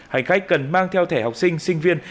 hành khách cần mang theo thẻ học sinh sinh viên